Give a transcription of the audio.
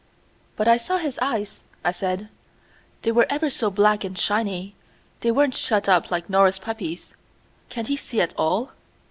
"But I saw his eyes," I said. "They were ever so black and shiny; they weren't shut up like Nora's puppies. Can't he see at all?"